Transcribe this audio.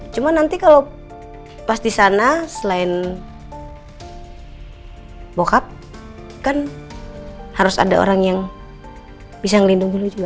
cuma nanti kalo pas di sana selain bokap kan harus ada orang yang bisa ngelindungi lu juga